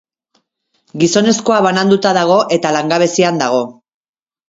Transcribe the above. Gizonezkoa bananduta dago eta langabezian dago.